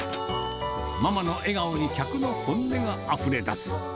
ママの笑顔に客の本音があふれ出す。